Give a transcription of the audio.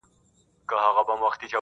مخ به در واړوم خو نه پوهېږم.